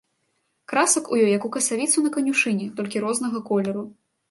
Красак у ёй як у касавіцу на канюшыне, толькі рознага колеру.